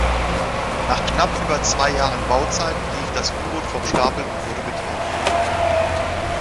Nach knapp über zwei Jahren Bauzeit lief das U-Boot vom Stapel und wurde getauft.